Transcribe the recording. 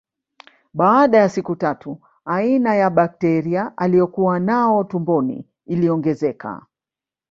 Baada ya siku tatu aina ya bakteria aliokuwa nao tumboni iliongezeka